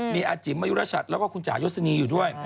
มีอาจิ๋มมายุรชัดแล้วก็คุณจ่ายศนีอยู่ด้วย